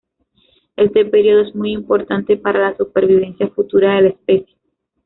Este período es muy importante para la supervivencia futura de la especie.